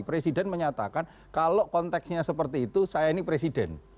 presiden menyatakan kalau konteksnya seperti itu saya ini presiden